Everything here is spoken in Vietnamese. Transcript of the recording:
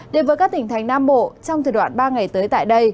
đến với các tỉnh thành nam bộ trong thời đoạn ba ngày tới tại đây